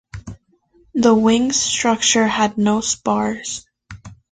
The wings' structure had no spars.